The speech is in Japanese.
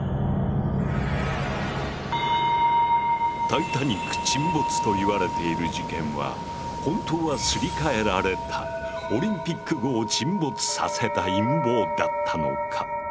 タイタニック沈没と言われている事件は本当はすり替えられたオリンピック号を沈没させた陰謀だったのか？